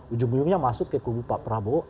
ujung ujungnya masuk ke kubu pak prabowo